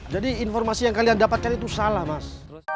jadi informasi yang kalian dapatkan itu salah mas